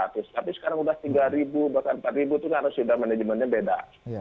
tapi sekarang udah tiga bahkan empat itu harus sudah manajemennya beda